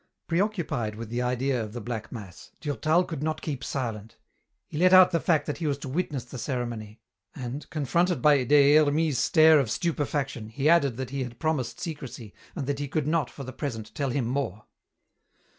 Preoccupied with the idea of the Black Mass, Durtal could not keep silent. He let out the fact that he was to witness the ceremony and, confronted by Des Hermies's stare of stupefaction, he added that he had promised secrecy and that he could not, for the present, tell him more.